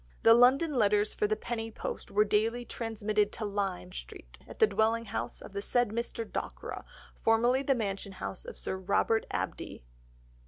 The London letters for the penny post were daily "Transmitted to Lyme Street, at the Dwelling House of the said Mr. Dockwra, formerly the Mansion House of Sir Robert Abdy, Kt.